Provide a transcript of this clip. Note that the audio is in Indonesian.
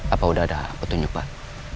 apa udah ada petunjuk pak